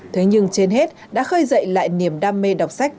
thế nhưng trên hết đã khơi dậy lại niềm đam mê đọc sách